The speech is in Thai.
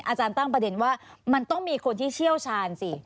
อาจารย์ตั้งประเด็นว่ามันต้องมีคนที่เชี่ยวชาญสิ